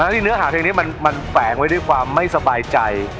ที่เนื้อหาเพลงนี้มันแฝงไว้ด้วยความไม่สบายใจ